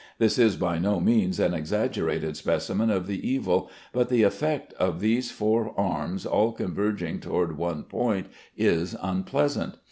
This is by no means an exaggerated specimen of the evil; but the effect of these four arms all converging toward one point is unpleasant.